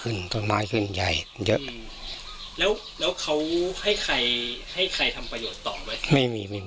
แค่อยู่ในกรณสวรรค์นะ